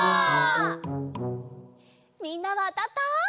みんなはあたった？